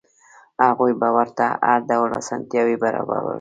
هغوی به ورته هر ډول اسانتیاوې برابرولې.